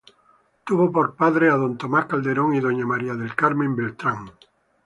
Tuvo por padres a don Tomas Calderón y a doña María del Carmen Beltrán.